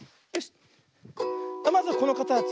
まずこのかたち。